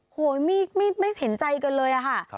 โอ้โหไม่เห็นใจกันเลยอะค่ะ